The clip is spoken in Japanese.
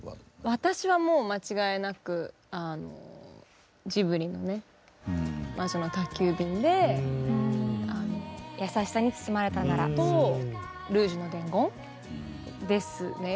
私はもう間違いなくあのジブリのね「魔女の宅急便」で「やさしさに包まれたなら」と「ルージュの伝言」ですね。